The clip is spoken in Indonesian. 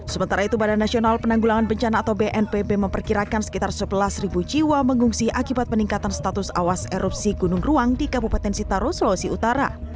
sementara itu badan nasional penanggulangan bencana atau bnpb memperkirakan sekitar sebelas jiwa mengungsi akibat peningkatan status awas erupsi gunung ruang di kabupaten sitaro sulawesi utara